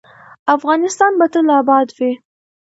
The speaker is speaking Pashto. افغانستان به تل اباد وي